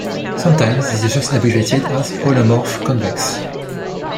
Sometimes this is just abbreviated as "holomorph-convex".